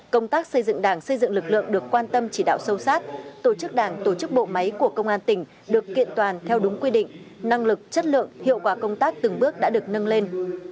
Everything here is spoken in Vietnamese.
công tác xây dựng đảng xây dựng lực lượng được quan tâm chỉ đạo sâu sát tổ chức đảng tổ chức bộ máy của công an tỉnh được kiện toàn theo đúng quy định năng lực chất lượng hiệu quả công tác từng bước đã được nâng lên